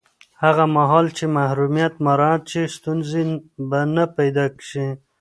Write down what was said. هغه مهال چې محرمیت مراعت شي، ستونزې به پیدا نه شي.